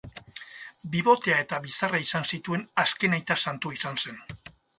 Bibotea eta bizarra izan zituen azken aita santua izan zen.